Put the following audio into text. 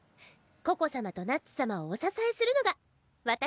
ココ様とナッツ様をお支えするのが私の役目だから！